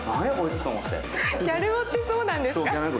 ギャル男ってそうなんですか？